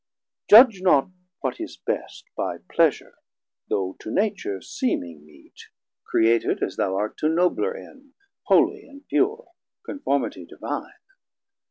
Judg not what is best By pleasure, though to Nature seeming meet, 600 Created, as thou art, to nobler end Holie and pure, conformitie divine.